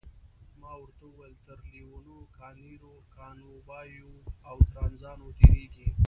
ما ورته وویل تر لویینو، کانیرو، کانوبایو او ترانزانو تیریږئ.